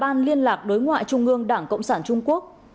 bản ghi nhớ hợp tác giữa ban đối ngoại trung ương đảng cộng sản trung quốc